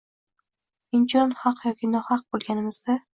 Inchunun, haq yoki nohaq bo‘lganimizda